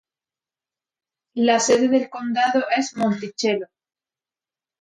La sede del condado es Monticello.